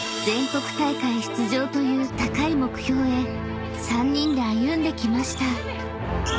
［全国大会出場という高い目標へ３人で歩んできました］